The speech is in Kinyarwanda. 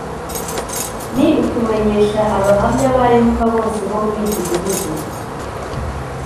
Ni ukumenyesha Abahamya ba Yehova bose bo muri icyo gihugu